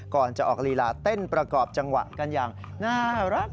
ก่อนจะออกลีลาเต้นประกอบจังหวะกันอย่างน่ารัก